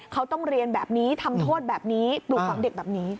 เขาต้องเรียนแบบนี้ทำโทษแบบนี้ปลูกฝังเด็กแบบนี้